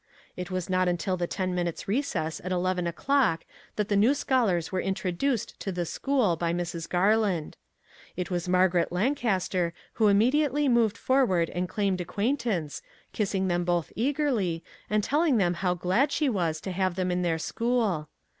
It was not until the ten minutes' recess at eleven o'clock that the new scholars were introduced to the school by Mrs. Garland. It was Mar garet Lancaster who immediately moved for ward and claimed acquaintance, kissing them both eagerly, and telling them how glad she was to have them in her school.